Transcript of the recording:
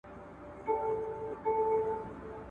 تر بدو ښه وي چي کړی نه کار `